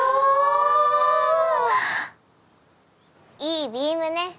いいビームね。